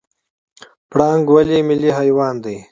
پړانګ ولې ملي حیوان دی؟